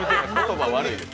言葉悪い。